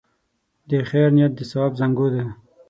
د خیر نیت د ثواب زانګو ده.